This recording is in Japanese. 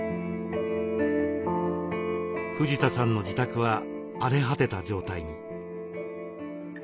藤田さんの自宅は荒れ果てた状態に。